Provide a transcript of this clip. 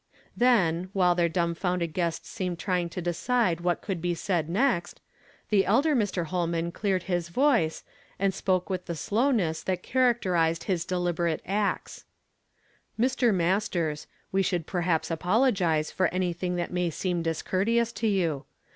Then, while their du.mfonnded guest seemed trying to decide what could be said next, the elder 350 YESTERDAY FRAMED IN TO DAY. f! *: 1 if lii Mr. Holman cleared his voice, and spoke with the slowness that characterized his deliberate acts. "Mr. Masters, we should perhaps apologize for anjtliing that may seem discourteous to you.